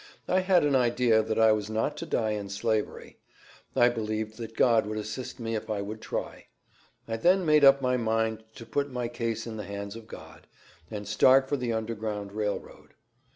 I had an idea that I was not to die in Slavery. I believed that God would assist me if I would try. I then made up my mind to put my case in the hands of God, and start for the Underground Rail Road.